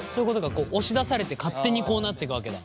押し出されて勝手にこうなっていくわけだ。